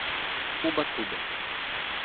Ubatuba